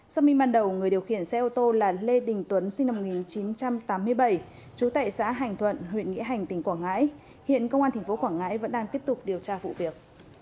sau minh ban đầu người điều khiển xe ô tô là lê đình tuấn sinh năm một nghìn chín trăm tám mươi bảy trú tại xã hành thuận huyện nghĩa hành tỉnh quảng ngãi hiện công an tp quảng ngãi vẫn đang tiếp tục điều tra vụ việc